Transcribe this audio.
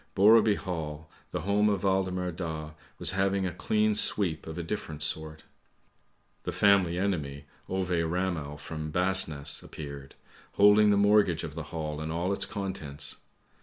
Borreby Hall, the home of Waldemar Daa was having a clean sweep of a different sort. The family enemy Ove Ramel from Basness appeared, holding the mortgage of the Hall and all its contents.